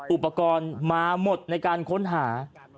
อุปกรณ์มาหมดในการค้นหา